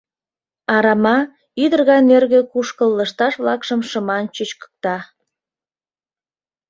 Арама — ӱдыр гай нӧргӧ кушкыл — Лышташ-влакшым шыман чӱчкыкта.